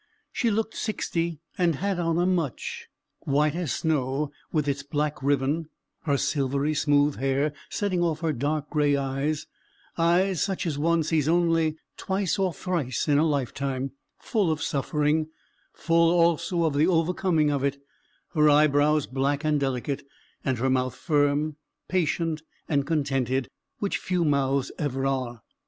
She looked sixty, and had on a mutch, white as snow, with its black ribbon; her silvery, smooth hair setting off her dark gray eyes eyes such as one sees only twice or thrice in a lifetime, full of suffering, full also of the overcoming of it: her eyebrows black and delicate, and her mouth firm, patient, and contented, which few mouths ever are.